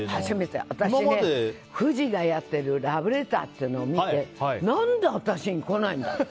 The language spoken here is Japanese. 私、フジがやっている「ラブレター」っていうのを見て何で私に来ないんだと。